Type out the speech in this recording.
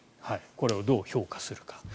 これをどう評価するか。